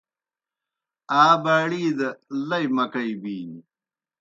آ باڑی دہ لئی مکئی بِینیْ۔